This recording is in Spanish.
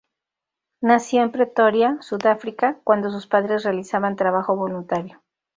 Nació en Pretoria, Sudáfrica, cuando sus padres realizaban trabajo voluntario.